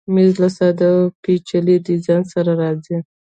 مېز له ساده او پیچلي ډیزاین سره راځي.